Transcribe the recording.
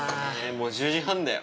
もう１０時半だよ。